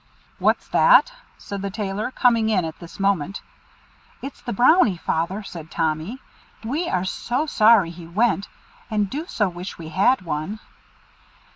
"What's that?" said the Tailor, coming in at this moment. "It's the Brownie, Father," said Tommy. "We are so sorry he went, and do so wish we had one."